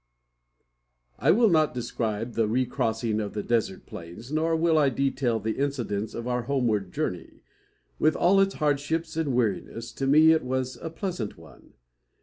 I will not describe the recrossing of the desert plains, nor will I detail the incidents of our homeward journey. With all its hardships and weariness, to me it was a pleasant one.